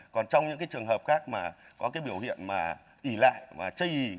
còn trong những cái trường hợp khác mà có cái biểu hiện mà ỉ lại và chây ý